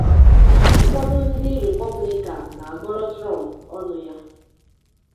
Ụfọdụ ndị Rịpọblikan na-agọrọ Trump ọnụ ya.